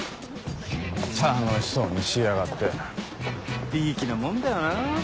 楽しそうにしやがっていい気なもんだよなぁ。